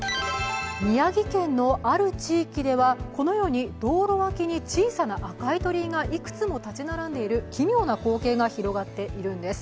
宮城県のある地域ではこのように道路脇に小さな赤い鳥居がいくつも立ち並んでいる奇妙な光景が広がっているんです。